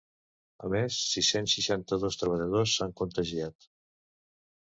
A més, sis-cents seixanta-dos treballadors s’han contagiat.